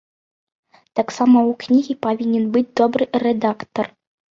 Таксама ў кнігі павінен быць добры рэдактар.